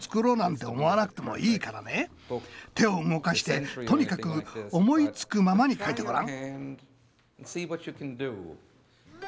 手を動かしてとにかく思いつくままに描いてごらん。